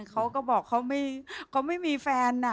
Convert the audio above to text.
เขาก็บอกเขาไม่มีแฟน